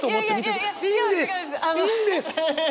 いいんです！